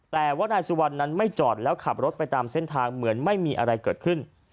แต่ว่านายสุวรรณนั้นไม่จอดแล้วขับรถไปตามเส้นทางเหมือนไม่มีอะไรเกิดขึ้น